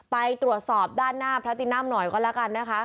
ไปตรวจสอบด้านหน้าพระตินัมหน่อยก็แล้วกันนะคะ